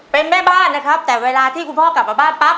เป็นแม่บ้านนะครับแต่เวลาที่คุณพ่อกลับมาบ้านปั๊บ